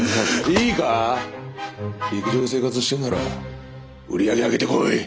いいか陸上で生活してえんなら売り上げ上げてこい！